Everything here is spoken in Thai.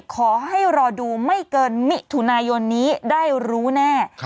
ขอให้รอดูไม่เกินมิถุนายนนี้ได้รู้แน่